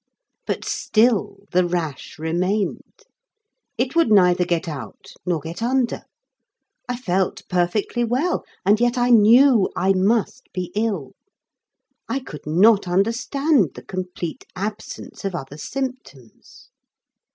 But still the rash remained. It would neither get out nor get under. I felt perfectly well, and yet I knew I must be ill. I could not understand the complete absence of other symptoms.